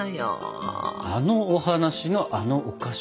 あのお話のあのお菓子？